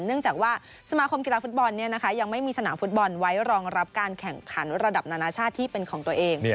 เนื่องจากว่าสมาคมกีฬาฟุตบอลยังไม่มีสนามฟุตบอลไว้รองรับการแข่งขันระดับนานาชาติที่เป็นของตัวเอง